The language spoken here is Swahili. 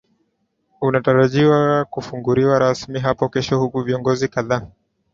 unatarajiwa kufunguliwa rasmi hapo kesho huku viongozi kadhaa